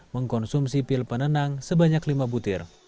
mengkonsumsi pil penenang sebanyak lima butir